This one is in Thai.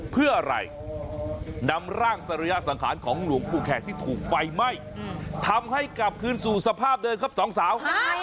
เพื่ออะไรนำร่างสริยสังขารของหลวงปู่แขกที่ถูกไฟไหม้ทำให้กลับคืนสู่สภาพเดิมครับสองสาว